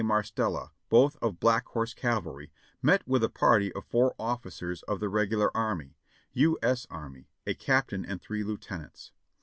Marstella, both of Black Horse Cavalry, met with a party of four officers of the regular army, U. S. Army (a captain and three lieutenants).